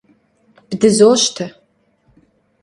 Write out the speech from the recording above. Bdızoşte.